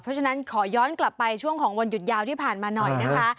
เพราะฉะนั้นขอย้อนกลับไปช่วงของวันหยุดยาวที่ผ่านมาหน่อยนะคะ